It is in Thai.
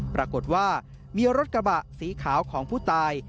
ปรากฏว่ามีรถกระบะสีขาวของผู้ตาย